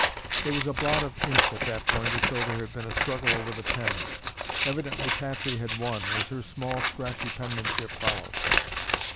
There was a blot of ink at that point as though there had been a struggle over the pen. Evidently Patsy had won, as her small scratchy penmanship followed.